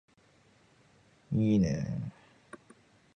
Nonsensical issues.